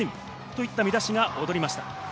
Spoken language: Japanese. といった見だしが躍りました。